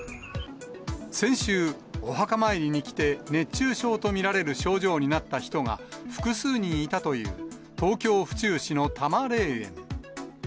先週、お墓参りに来て、熱中症と見られる症状になった人が複数人いたという、東京・府中市の多磨霊園。